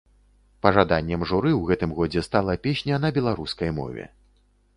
Пажаданнем журы ў гэтым годзе стала песня на беларускай мове.